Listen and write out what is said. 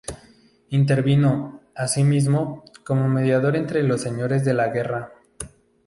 Intervino, asimismo, como mediador entre los señores de la guerra.